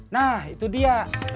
nah itu dia